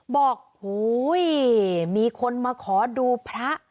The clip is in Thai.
บอกโหยมีคนมาขอดูพระ